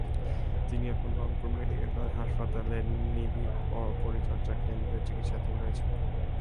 তিনি এখন Rangpur medical college হাসপাতালের নিবিড় পরিচর্যা কেন্দ্রে চিকিৎসাধীন রয়েছেন।